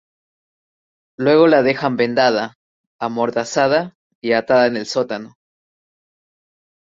Luego la dejan vendada, amordazada y atada en el sótano.